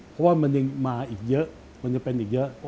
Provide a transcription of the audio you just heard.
เพราะว่ามันยังมาอีกเยอะมันจะเป็นอีกเยอะ